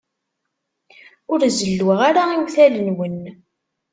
Ur zelluɣ ara iwtal-nwen.